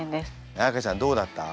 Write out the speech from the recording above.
彩歌ちゃんどうだった？